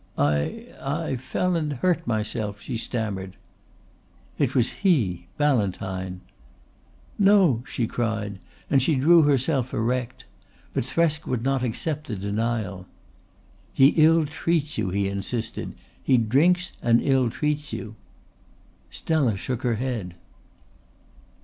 "I I fell and hurt myself," she stammered. "It was he Ballantyne." "No," she cried and she drew herself erect. But Thresk would not accept the denial. "He ill treats you," he insisted. "He drinks and ill treats you." Stella shook her head.